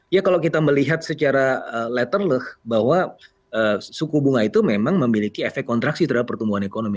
ya kalau kita melihat secara letter lah bahwa suku bunga itu memang memiliki efek kontraksi terhadap pertumbuhan ekonomi